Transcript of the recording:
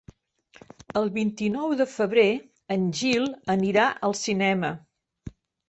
El vint-i-nou de febrer en Gil anirà al cinema.